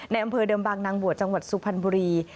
อำเภอเดิมบางนางบวชจังหวัดสุพรรณบุรี